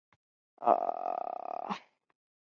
设籍将军北港之渔船不足十艘。